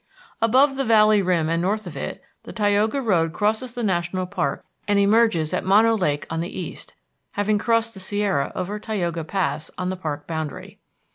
Above the valley rim and north of it, the Tioga Road crosses the national park and emerges at Mono Lake on the east, having crossed the Sierra over Tioga Pass on the park boundary.